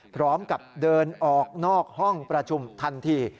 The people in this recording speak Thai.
พร้อมกับเดินออกนอกห้องประชุมทันที